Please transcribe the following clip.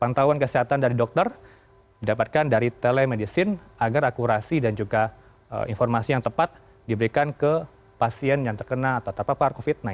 pantauan kesehatan dari dokter didapatkan dari telemedicine agar akurasi dan juga informasi yang tepat diberikan ke pasien yang terkena atau terpapar covid sembilan belas